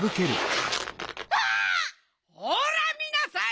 あ！ほらみなさい！